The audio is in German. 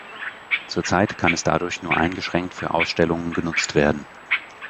Zurzeit kann es dadurch nur eingeschränkt für Ausstellungen genutzt werden.